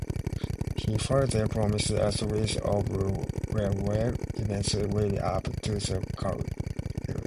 He further promised a series of farewell events leading up to the closure.